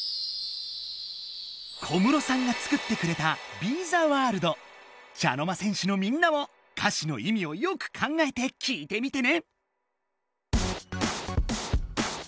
小室さんが作ってくれた茶の間戦士のみんなも歌詞の意味をよく考えてきいてみてね！